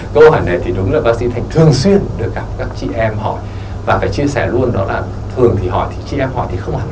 câu hỏi này thì đúng là bác sĩ phải thường xuyên được gặp các chị em hỏi và phải chia sẻ luôn đó là thường thì hỏi thì chị em họ thì không ạ